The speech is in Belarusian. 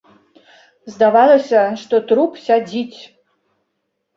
Здавалася, што труп сядзіць.